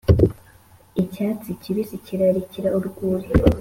icyatsi kibisi kirarikira urwuri,